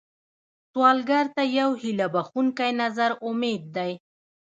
سوالګر ته یو هيله بښونکی نظر امید دی